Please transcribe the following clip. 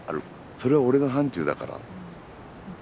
それは俺の範ちゅうだから。